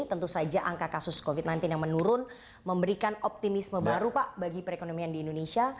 tentu saja angka kasus covid sembilan belas yang menurun memberikan optimisme baru pak bagi perekonomian di indonesia